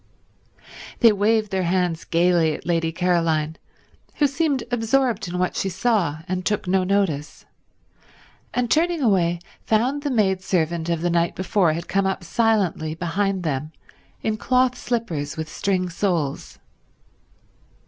They waved their hands gaily at Lady Caroline, who seemed absorbed in what she saw and took no notice, and turning away found the maidservant of the night before had come up silently behind them in cloth slippers with string soles.